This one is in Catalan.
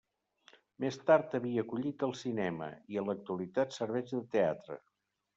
Més tard havia acollit el cinema, i en l'actualitat serveix de teatre.